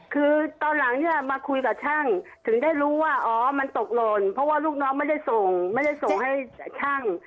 คือตอนหลังเนี่ยมาคุยกับช่างถึงได้รู้ว่าอ๋อมันตกหล่นเพราะว่าลูกน้องไม่ได้ส่งไม่ได้ส่งให้ช่าง